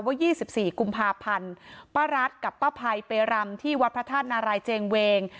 ๒๔กุมภาพันธ์ป้ารัฐกับป้าภัยไปรำที่วัดพระธาตุนารายเจงเวง